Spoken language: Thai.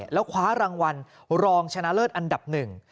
แล้วคว้ารางวัลรองชนะเลิศอันดับหนึ่ง